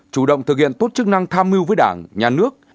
chủ động thực hiện tốt chức năng tham mưu với đảng nhà nước